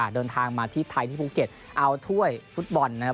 เดินทางมาที่ไทยที่ภูเก็ตเอาถ้วยฟุตบอลนะครับ